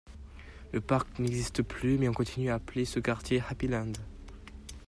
Le parc n'existe plus mais on continue à appeler ce quartier Happyland.